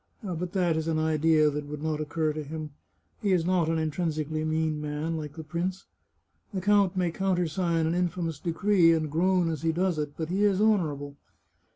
... But that is an idea that would not oc cur to him. He is not an intrinsically mean man, like the prince. The count may countersign an infamous decree, and groan as he does it, but he is honourable.